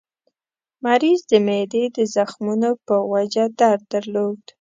مریض د معدې د زخمونو په وجه درد درلود.